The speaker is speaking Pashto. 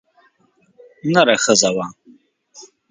نره ښځه وه.